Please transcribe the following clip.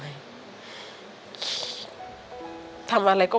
ไม่ต้องไปเส้อ